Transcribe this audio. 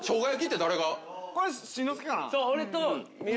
これ真之介かな？